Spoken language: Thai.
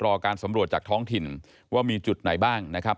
การสำรวจจากท้องถิ่นว่ามีจุดไหนบ้างนะครับ